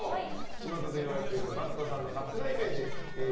ちまたで言われているＭａｔｔさんの勝手なイメージ。